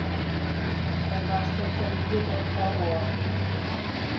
Es war spezialisiert auf Horror.